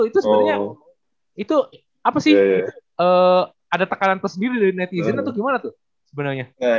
itu sebenarnya itu apa sih ada tekanan tersendiri dari netizen atau gimana tuh sebenarnya